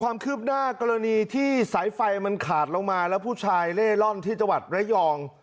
ความคืบหน้ากรณีที่สายไฟมันขาดลงมาแล้วผู้ชายเล่ร่อนที่จังหวัดระยอง